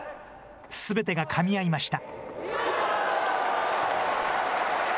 すべてがかみ合いました。